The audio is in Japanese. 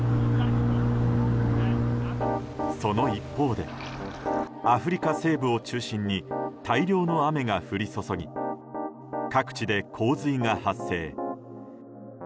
その一方でアフリカ西部を中心に大量の雨が降り注ぎ各地で洪水が発生。